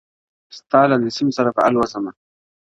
ستا له نسیم سره به الوزمه-